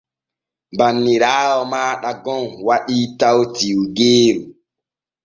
Banniraawo maaɗa gon waɗi taw tiwgeeru.